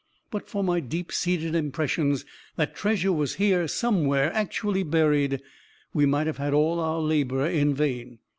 But for my deep seated impressions that treasure was here somewhere actually buried, we might have had all our labor in vain."